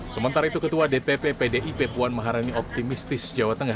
sementara itu ketua dpp pdip puan maharani optimistis jawa tengah